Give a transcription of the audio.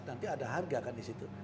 nanti ada harga kan di situ